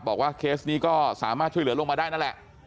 บอกว่าเคสนี้ก็สามารถช่วยเหลือลงมาได้นั่นแหละ